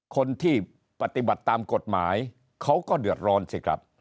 คนที่ปฏิบัติตามกฎหมายเขาก็เดือดร้อนสิครับ